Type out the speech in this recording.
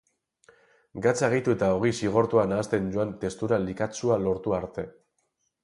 Gatza gehitu eta ogi xigortua nahasten joan testura likatsua lortu arte.